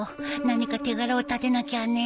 何か手柄を立てなきゃね